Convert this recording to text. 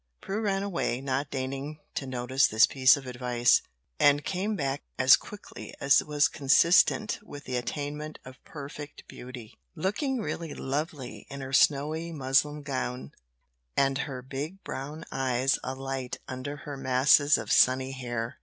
Prue ran away, not deigning to notice this piece of advice, and came back as quickly as was consistent with the attainment of perfect beauty, looking really lovely in her snowy muslin gown, and her big brown eyes alight under her masses of sunny hair.